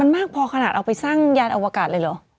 มันมากพอขนาดเอาไปสร้างยานอวกาศเลยเหรอ